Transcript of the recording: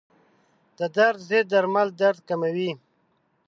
د درد ضد درمل درد کموي.